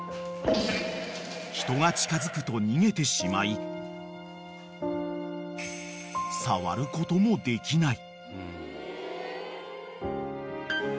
［人が近づくと逃げてしまい触ることもできない］